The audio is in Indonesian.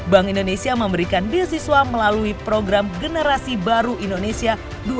bank indonesia memberikan beasiswa melalui program generasi baru indonesia dua ribu dua puluh